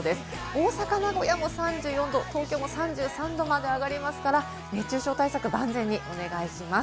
大阪、名古屋も３４度、東京も３３度まで上がりますから、熱中症対策は万全にお願いします。